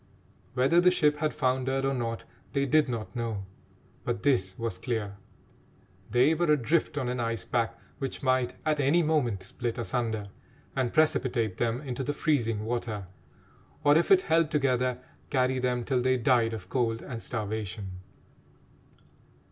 Whether the ship had foundered or not they did not know, but this was clear: they were adrift on an ice pack which might at any moment split asunder and precipitate them into the freezing water, or, if it held together, carry them till they died of cold and starvation.